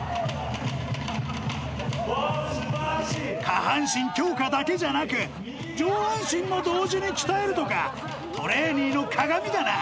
下半身強化だけじゃなく上半身も同時に鍛えるとかトレーニーのかがみだな！